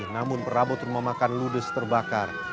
namun perabot rumah makan ludes terbakar